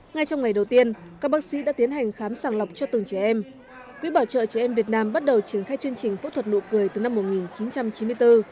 ngay trong ngày đầu tiên các bác sĩ đã tiến hành khám sàng lọc cho từng trẻ em quỹ bảo trợ trẻ em việt nam bắt đầu triển khai chương trình phẫu thuật nụ cười từ năm một nghìn chín trăm chín mươi bốn